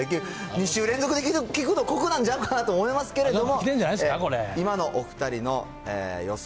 ２週連続で聞くの、こくなんちゃうかなと思いますけれども。